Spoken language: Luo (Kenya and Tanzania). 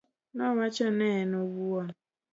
Nowacho ne en owuon.